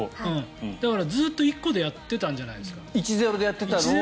だから、ずっと１個でやってたんじゃないですか。